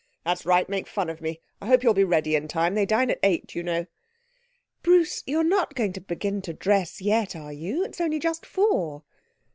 'That's right! Make fun of me! I hope you'll be ready in time. They dine at eight, you know.' 'Bruce, you're not going to begin to dress yet, are you? It's only just four.'